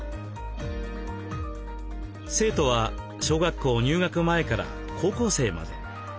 生徒は小学校入学前から高校生まで。